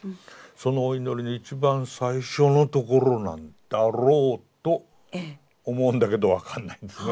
そのお祈りの一番最初のところなんだろうと思うんだけど分かんないんですね。